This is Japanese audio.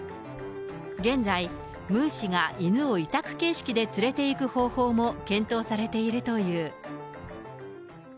現在、ムン氏が犬を委託形式で連れていく方法も検討されているという。